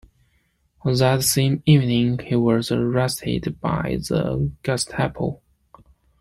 That same evening, he was arrested by the Gestapo.